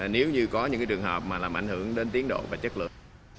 nếu như có những trường hợp mà làm ảnh hưởng đến tiến độ và chất lượng